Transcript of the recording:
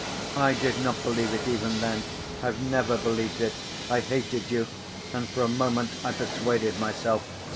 "I did not believe it even then. I've never believed it. I hated you, and for a moment I persuaded myself.